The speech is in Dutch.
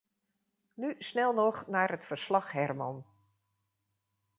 Nu snel nog naar het verslag-Herman.